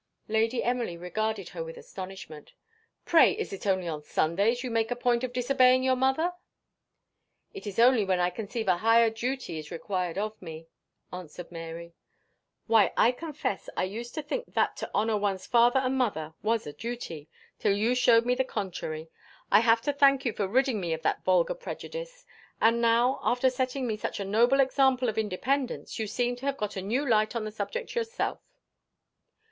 Lady Emily regarded her with astonishment. "Pray, is it only on Sundays you make a point of disobeying your mother?" "It is only when I conceive a higher duty is required of me," answered Mary. "Why, I confess I used to think that to honour one's father and mother _was _a duty, till you showed me the contrary. I have to thank you for ridding me of that vulgar prejudice. And now, after setting me such a noble example of independence, you seem to have got a new light on the subject yourself."